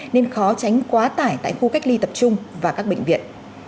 nên khó tránh quá tải tại khu cách ly tập trung và các bệnh viện